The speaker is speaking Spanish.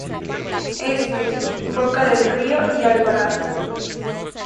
Este: Boca del Río y Alvarado.